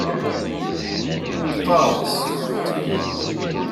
Qubbaɣ aṭas.